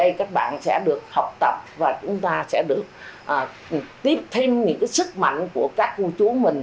đây các bạn sẽ được học tập và chúng ta sẽ được tiếp thêm những cái sức mạnh của các vua chú mình